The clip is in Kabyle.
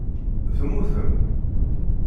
Temmutem?